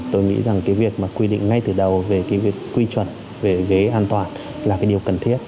tôi nghĩ việc quy định ngay từ đầu về quy chuẩn về ghế an toàn là điều cần thiết